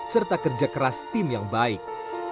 serta kerja keras tim yang baik